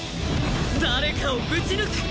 誰かをぶち抜く！